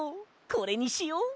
これにしよ！